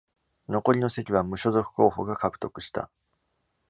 残りの席は無所属候補が獲得した。